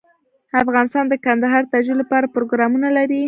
افغانستان د کندهار د ترویج لپاره پروګرامونه لري.